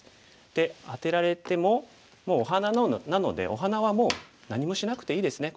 でアテられてももうお花なのでお花はもう何もしなくていいですね。